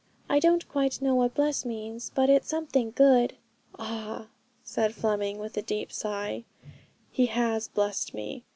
I don't quite know what bless means, but it's something good.' 'Ah!' said Fleming, with a deep sigh, 'He has blessed me.